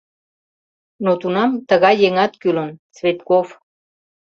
Но тунам тыгай еҥат кӱлын — Цветков!